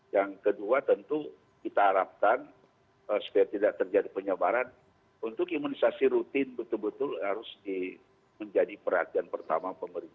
yang kedua tentu kita harapkan supaya tidak terjadi penyebaran untuk imunisasi rutin betul betul harus menjadi perhatian pertama pemerintah